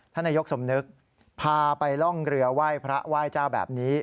นายกสมนึกพาไปร่องเรือไหว้พระไหว้เจ้าแบบนี้